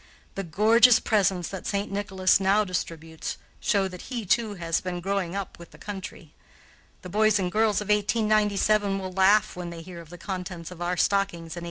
The gorgeous presents that St. Nicholas now distributes show that he, too, has been growing up with the country. The boys and girls of 1897 will laugh when they hear of the contents of our stockings in 1823.